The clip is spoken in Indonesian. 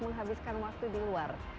menghabiskan waktu di luar